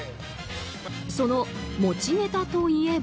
その持ちネタといえば。